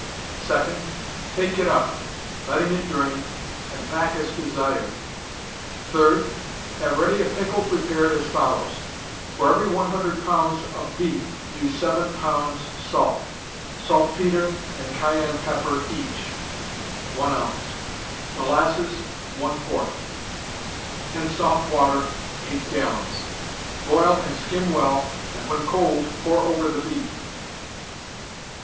Second, take it up, letting it drain, and pack as desired. Third, have ready a pickle prepared as follows: for every 100 pounds of beef use 7 pounds salt; saltpetre and cayenne pepper each, 1 ounce; molasses, 1 quart; and soft water, 8 gallons; boil and skim well, and when cold pour over the beef.